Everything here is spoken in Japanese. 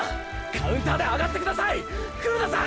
カウンターであがってください黒田さん！！